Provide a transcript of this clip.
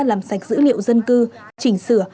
làm sạch dữ liệu dân cư chỉnh sửa